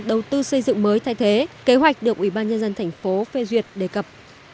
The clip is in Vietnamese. đầu tư xây dựng mới thay thế kế hoạch được ủy ban nhân dân thành phố phê duyệt đề cập